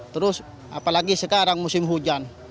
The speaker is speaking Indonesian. terus apalagi sekarang musim hujan